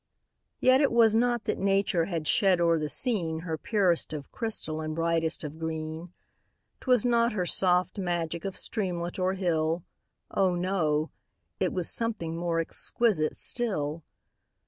Yet it was not that nature had shed o'er the scene Her purest of crystal and brightest of green; 'Twas not her soft magic of streamlet or hill, Oh! no, it was something more exquisite still.